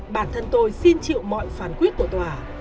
bản thân tôi xin chịu mọi phán quyết của tòa